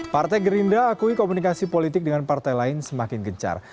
partai gerindra akui komunikasi politik dengan partai lain semakin gencar